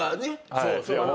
そうそう。